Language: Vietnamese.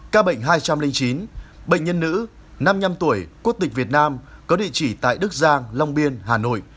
ca bệnh hai trăm linh chín bệnh nhân nữ năm mươi năm tuổi quốc tịch việt nam có địa chỉ tại đức giang long biên hà nội